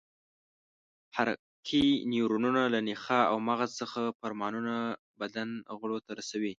حرکي نیورونونه له نخاع او مغز څخه فرمانونه بدن غړو ته رسوي.